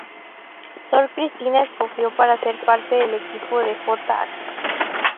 Sor Cristina escogió para ser parte del equipo de J-Ax.